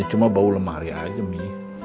ya cuma bau lemari aja mi